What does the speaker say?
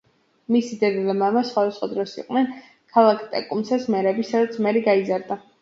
მისი დედა და მამა სხვადასხვა დროს იყვნენ ქალაქ ტეკუმსეს მერები, სადაც მერი გაიზარდა.